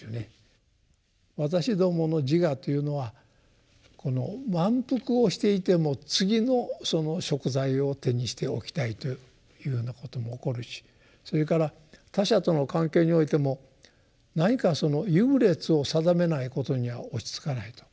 私どもの自我というのは満腹をしていても次の食材を手にしておきたいというようなことも起こるしそれから他者との関係においても何か優劣を定めないことには落ち着かないと。